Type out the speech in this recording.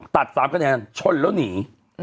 ตัด๓คะแนนชนแล้วหนี